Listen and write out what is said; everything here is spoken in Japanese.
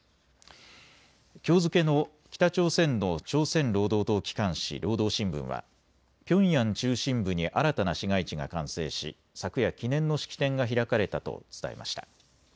きょう付けの北朝鮮の朝鮮労働党機関紙、労働新聞はピョンヤン中心部に新たな市街地が完成し昨夜、記念の式典が開かれたと伝えました。